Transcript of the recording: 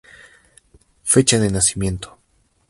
Fecha de Nacimiento.